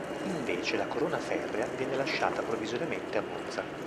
Invece la Corona ferrea viene lasciata provvisoriamente a Monza.